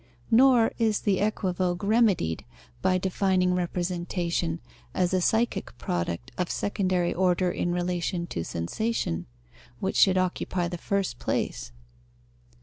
Nor is the equivoque remedied by defining representation as a psychic product of secondary order in relation to sensation, which should occupy the first place.